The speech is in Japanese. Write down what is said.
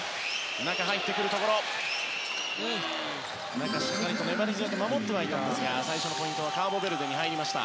中、しっかりと粘り強く守りましたが最初のポイントはカーボベルデに入りました。